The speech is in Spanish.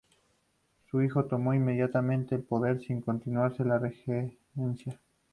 Su hijo tomó inmediatamente el poder, sin continuarse la regencia.